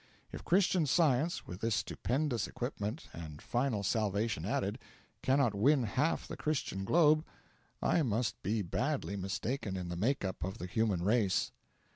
If Christian Science, with this stupendous equipment and final salvation added cannot win half the Christian globe, I must be badly mistaken in the make up of the human race.